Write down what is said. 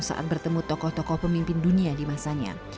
saat bertemu tokoh tokoh pemimpin dunia di masanya